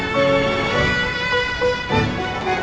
dia benar benar terguncang